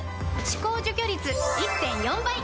歯垢除去率 １．４ 倍！